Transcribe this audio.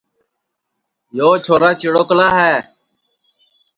یو چھورا چِڑوکلا ہے